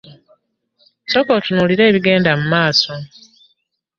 Sooka otunuulire ebigenda mu maaso.